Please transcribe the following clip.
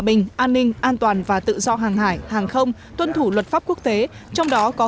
bình an ninh an toàn và tự do hàng hải hàng không tuân thủ luật pháp quốc tế trong đó có